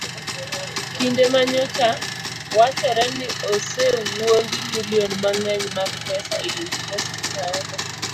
Kinde ma nyocha wachore ni osewuondi milion mang'eny mag pesa e yunivasiti mar